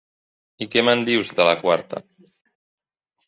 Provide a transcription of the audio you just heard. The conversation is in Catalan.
I què me'n dius, de la quarta?